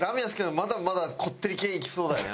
まだまだこってり系いきそうだよね